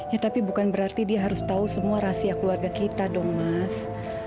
ya tapi bukan berarti dia harus tahu semua rahasia keluarga kita dong mas